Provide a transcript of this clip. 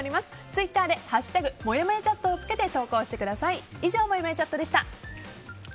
ツイッターで「＃もやもやチャット」をつけて投稿してください。